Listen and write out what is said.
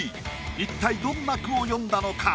一体どんな句を詠んだのか？